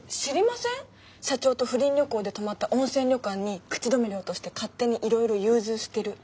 社長と不倫旅行で泊まった温泉旅館に口止め料として勝手にいろいろ融通してるとか。